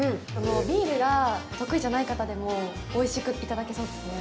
ビールが得意じゃない方でもおいしくいただけそうですね。